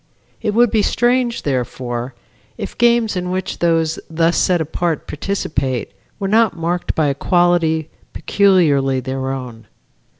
It would be strange, therefore, if games in which those thus set apart participate, were not marked by a quality peculiarly their own.